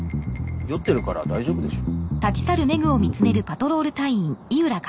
酔ってるから大丈夫でしょ。